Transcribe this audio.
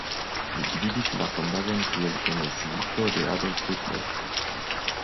Li gvidis la fondaĵon kiel komisiito de Adolf Hitler.